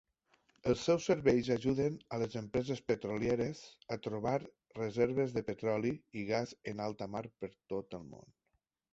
Els seus serveis ajuden a les empreses petrolieres a trobar reserves de petroli i gas en alta mar per tot el món.